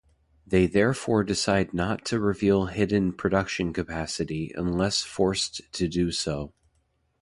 They therefore decide not to reveal hidden production capacity unless forced to do so.